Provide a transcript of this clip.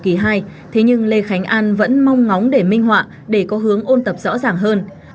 kỳ hai thế nhưng lê khánh an vẫn mong ngóng để minh họa để có hướng ôn tập rõ ràng hơn